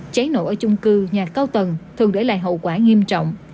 cháy nổ ở chung cư nhà cao tầng thường để lại hậu quả nghiêm trọng